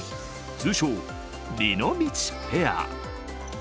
通称りのみちペア。